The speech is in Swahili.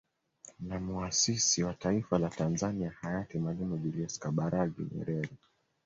Na muasisi wa taifa la Tanzania Hayati Mwalimu Julius Kambarage Nyerere